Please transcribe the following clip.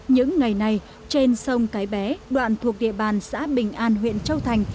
những ngày này trên sông cái bé đoạn thuộc địa bàn xã bình an huyện châu thành